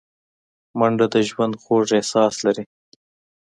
منډه د ژوند خوږ احساس لري